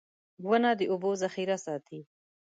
• ونه د اوبو ذخېره ساتي.